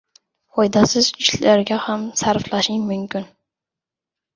Foydasiz ishlarga ham sarflashing mumkin.